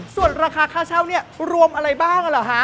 ส่วนราคาค่าเช่าเนี่ยรวมอะไรบ้างเหรอฮะ